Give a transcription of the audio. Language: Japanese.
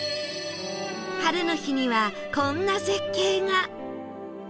晴れの日にはこんな絶景が